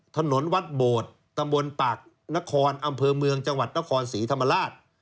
ถนนวัดโบดตำบลปากนครอำเภอเมืองจังหวัดนครศรีธรรมราช